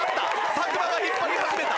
作間が引っ張り始めた！